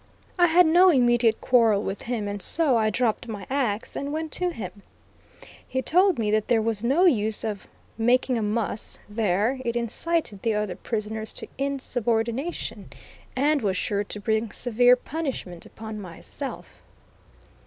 I had no immediate quarrel with him, and so I dropped my axe and went to him. He told me that there was no use of "making a muss" there, it incited the other prisoners to insubordination, and was sure to bring severe punishment upon myself.